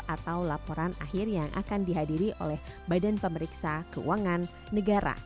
atau laporan akhir yang akan dihadiri oleh badan pemeriksa keuangan negara